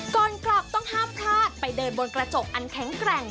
ก่อนกลับต้องห้ามพลาดไปเดินบนกระจกอันแข็งแกร่ง